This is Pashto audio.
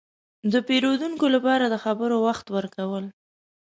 – د پېرودونکو لپاره د خبرو وخت ورکول.